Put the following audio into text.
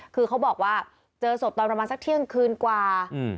คือเขาบอกว่าเจอศพตอนประมาณสักเที่ยงคืนกว่า